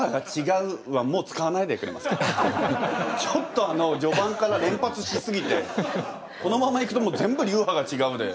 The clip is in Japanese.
ちょっとじょばんから連発しすぎてこのままいくともう全部「流派がちがう」で。